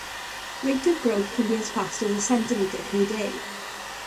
Rate of growth can be as fast as a centimeter per day.